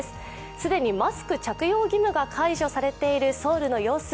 既にマスク着用義務が解除されているソウルの様子、